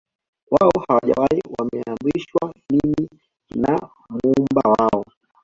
wao hawajali wameamrishwa nini na muumba wao